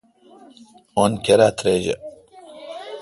اُن کیرا تریجہ۔